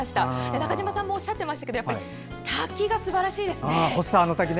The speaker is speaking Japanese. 中島さんもおっしゃってましたが滝がすばらしいですね。